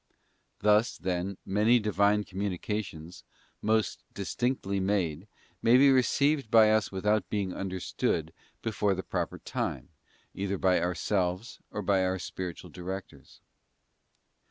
'f Thus, then, many Divine communications, most distinctly made, may be received by us without being, understood before the proper time, either by ourselves or by our spiritual directors.